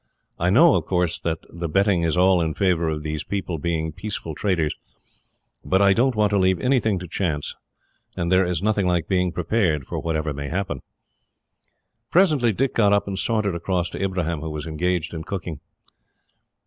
I know, of course, that the betting is all in favour of these people being peaceful traders, but I don't want to leave anything to chance, and there is nothing like being prepared for whatever may happen." Presently Dick got up and sauntered across to Ibrahim, who was engaged in cooking.